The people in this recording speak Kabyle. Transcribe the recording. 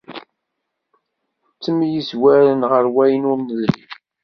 Ttemyezwaren ɣer wayen ur nelhi.